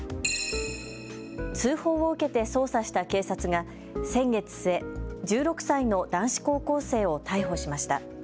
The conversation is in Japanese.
通報を受けて捜査した警察が先月末、１６歳の男子高校生を逮捕しました。